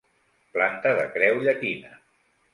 Planta de creu llatina.